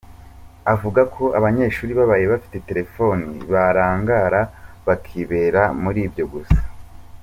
Avuga ko Abanyeshuri babaye bafite Telefoni barangara bakibera muri ibyo gusa.